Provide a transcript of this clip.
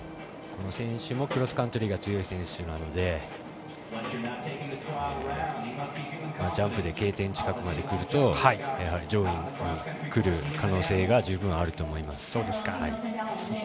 この選手もクロスカントリーが強い選手なのでジャンプでＫ点近くまでくるとやはり上位にくる可能性が十分にあると思います。